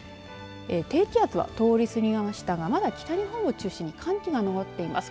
低気圧は通り過ぎましたがまだ北日本を中心に寒気が残っています。